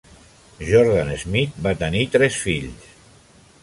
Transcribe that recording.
Jordan-Smith va tenir tres fills.